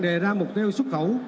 đề ra mục tiêu xuất khẩu